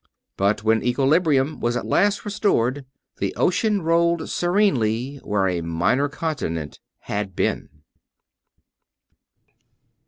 But when equilibrium was at last restored, the ocean rolled serenely where a minor continent had been.